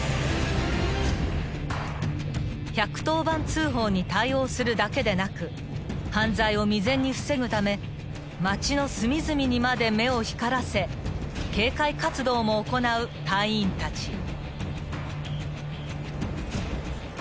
［１１０番通報に対応するだけでなく犯罪を未然に防ぐため街の隅々にまで目を光らせ警戒活動も行う隊員たち］